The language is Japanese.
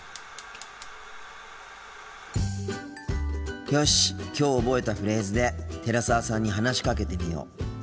心の声よしきょう覚えたフレーズで寺澤さんに話しかけてみよう。